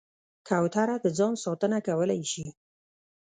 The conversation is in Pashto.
کوتره د ځان ساتنه کولی شي.